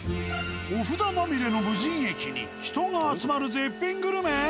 お札まみれの無人駅に人が集まる絶品グルメ！？